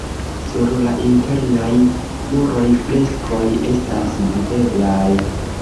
Sur la internaj muroj freskoj estas videblaj.